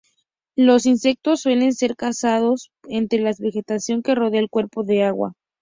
Los insectos suelen ser cazados entre la vegetación que rodea el cuerpo de agua.